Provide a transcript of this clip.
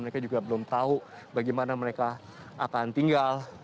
mereka juga belum tahu bagaimana mereka akan tinggal